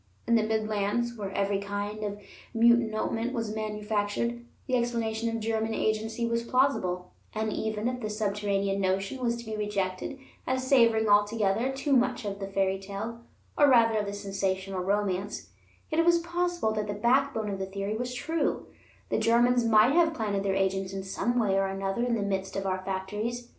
In the Midlands, where every kind of munitionment was manufactured, the explanation of German agency was plausible; and even if the subterranean notion was to be rejected as savoring altogether too much of the fairytale, or rather of the sensational romance, yet it was possible that the backbone of the theory was true; the Germans might have planted their agents in some way or another in the midst of our factories.